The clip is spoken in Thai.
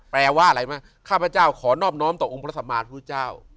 แปลว่าอะไรไหมข้าพเจ้าขอนอบน้อมต่อองค์พระสัมมาพุทธเจ้า